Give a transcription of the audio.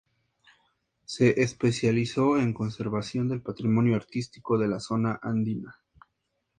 Se especializó en Conservación del Patrimonio Artístico de la Zona Andina.